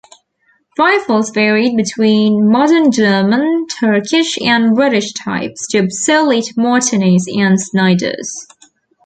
Rifles varied between modern German, Turkish and British types, to obsolete Martinis and Snyders.